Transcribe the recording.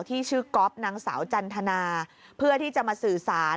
ที่ชื่อก๊อฟนางสาวจันทนาเพื่อที่จะมาสื่อสาร